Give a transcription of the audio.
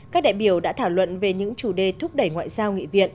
các đại biểu đã thảo luận về những chủ đề thúc đẩy ngoại giao nghị viện